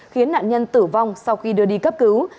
khiến nạn nhân tử vong sau khi đưa đi cấp cứu